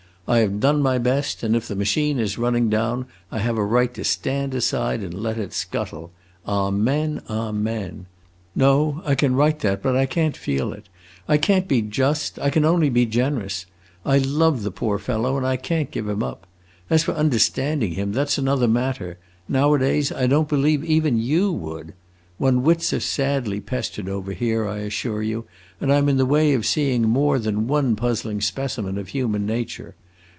I have done my best, and if the machine is running down I have a right to stand aside and let it scuttle. Amen, amen! No, I can write that, but I can't feel it. I can't be just; I can only be generous. I love the poor fellow and I can't give him up. As for understanding him, that 's another matter; nowadays I don't believe even you would. One's wits are sadly pestered over here, I assure you, and I 'm in the way of seeing more than one puzzling specimen of human nature.